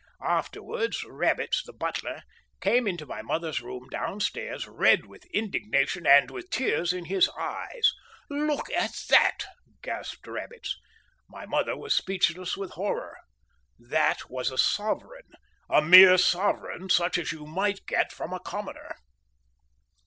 Afterwards, Rabbits, the butler, came into my mother's room downstairs, red with indignation and with tears in his eyes. "Look at that!" gasped Rabbits. My mother was speechless with horror. That was a sovereign, a mere sovereign, such as you might get from any commoner!